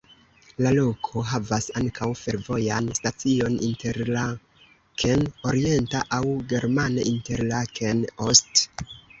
La loko havas ankaŭ fervojan stacion Interlaken orienta aŭ germane "Interlaken Ost.